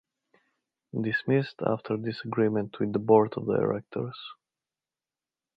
Dismissed after disagreement with the board of directors.